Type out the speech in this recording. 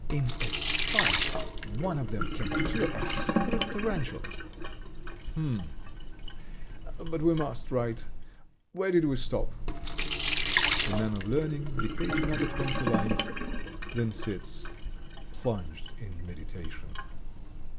In a fight one of them can kill a hundred tarantulas." "H'm! ... But we must write, ... Where did we stop?" The man of learning dictates another twenty lines, then sits plunged in meditation.